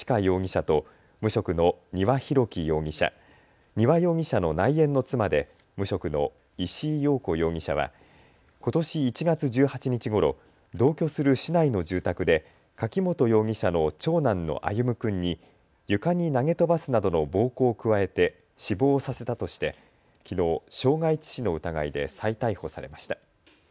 容疑者と無職の丹羽洋樹容疑者、丹羽容疑者の内縁の妻で無職の石井陽子容疑者はことし１月１８日ごろ、同居する市内の住宅で柿本容疑者の長男の歩夢君に床に投げ飛ばすなどの暴行を加えて死亡させたとしてきのう、傷害致死の疑いで再逮捕されました。